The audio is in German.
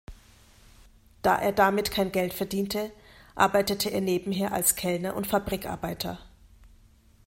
Da er damit kein Geld verdiente arbeitete er nebenher als Kellner und Fabrikarbeiter.